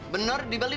benar dibuat dari siapa